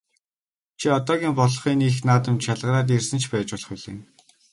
Чи одоогийн болох энэ их наадамд шалгараад ирсэн ч байж болох билээ.